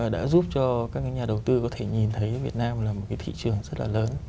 đã giúp cho các nhà đầu tư có thể nhìn thấy việt nam là một cái thị trường rất là lớn